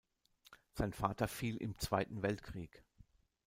Sein Vater fiel im Zweiten Weltkrieg.